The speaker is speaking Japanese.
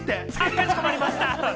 かしこまりました。